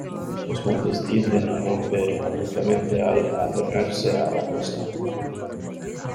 Los montes tienden a romper abruptamente al acercarse a la costa.